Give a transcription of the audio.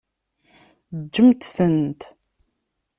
Ǧǧemt-tent.